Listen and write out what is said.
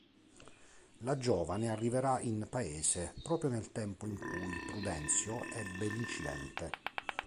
La giovane arriverà in paese, proprio nel tempo in cui Prudencio ebbe l'incidente.